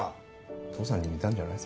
父さんに似たんじゃない？